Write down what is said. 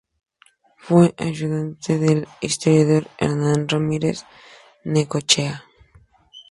Fue ayudante del historiador Hernán Ramírez Necochea.